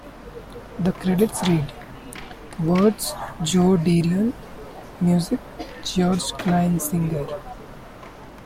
The credits read: Words - Joe Darion, Music - George Kleinsinger.